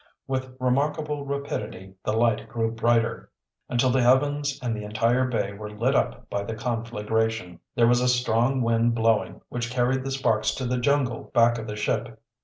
With remarkable rapidity the light grew brighter, until the heavens and the entire bay were lit up by the conflagration. There was a strong wind blowing, which carried the sparks to the jungle back of the ship.